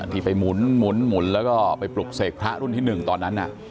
ที่ไปหมุนแล้วก็ไปปลุกเสกพระรุ่นที่๑ตอนนั้น